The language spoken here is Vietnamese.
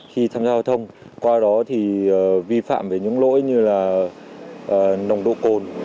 khi tham gia giao thông qua đó thì vi phạm về những lỗi như là nồng độ cồn